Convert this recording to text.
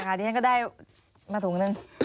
อาทิตย์ก็ได้มาถุงนึง